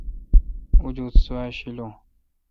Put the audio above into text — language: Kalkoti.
اوجوت سوا شی لو۔